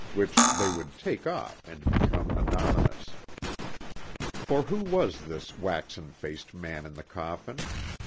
Which they would take off and become anonymous. For who was this waxen faced man in the coffin?